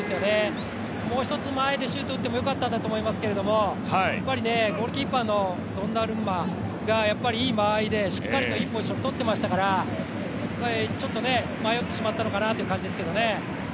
もう一つ、前でシュートを打ってもよかったんだと思いますけどゴールキーパーのドンナルンマがしっかりととっていましたから、ちょっと迷ってしまったのかなという感じでしたね。